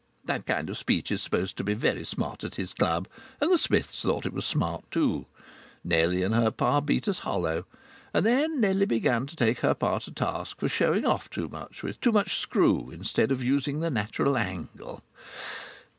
That kind of speech is supposed to be very smart at his club. And the Smiths thought it was very smart too. Nellie and her pa beat us hollow, and then Nellie began to take her pa to task for showing off with too much screw instead of using the natural angle!